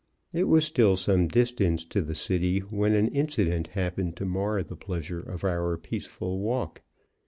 It was still some distance to the city when an incident happened to mar the pleasure of our peaceful walk.